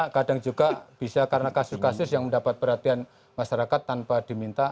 kadang juga bisa karena kasus kasus yang mendapat perhatian masyarakat tanpa diminta